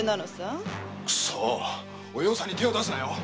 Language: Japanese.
くそっお葉さんに手を出すなよ